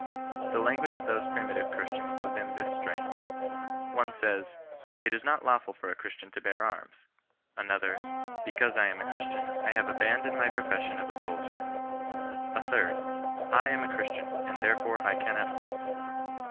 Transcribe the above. The language of those primitive Christians was in this strain :— One says, " It is not law ful for a Christian to bear arms." Another —" Because I am a Christian, I have abandoned my profession of a soldier." A third —" I am a Christian, and thcrefoie I cannot fight